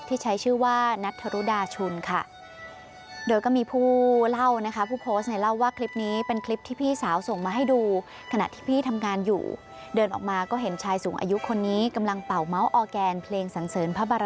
อีกหนึ่งคลิปบนโลกออนไลน์จะภายเหรอทราบซึ้งขนาดไหนติดตามกันเลยค่ะ